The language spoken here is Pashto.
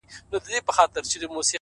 ملا فتواء ورکړه ملا يو ښايست وواژه خو”